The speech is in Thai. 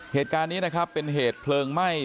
เหตุการณ์นี้นะครับเป็นเหตุเพลิงไหม้